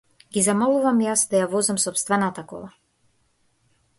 Ги замолувам јас да ја возам сопствената кола.